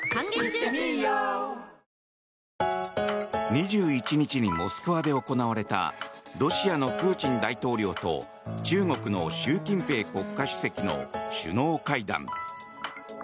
２１日にモスクワで行われたロシアのプーチン大統領と中国の習近平国家主席の首脳会談。